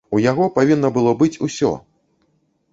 У яго павінна было быць усё.